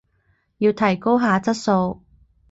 要提高下質素